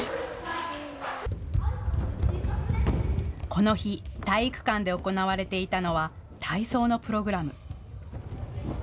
この日、体育館で行われていたのは体操のプログラム。